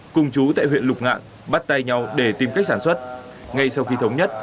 cùng chú tại huyện lục ngạn bắt tay nhau để tìm cách sản xuất ngay sau khi thống nhất